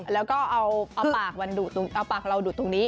แล้วก็เอาปากเราดูดตรงนี้